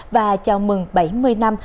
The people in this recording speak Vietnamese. và chào mừng bảy mươi năm